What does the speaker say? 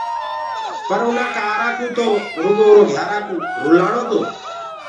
پر اُنآ ڪآرآ ڪوُ تو روگو اُرو گھيارا ڪوُ رلآڻو تو۔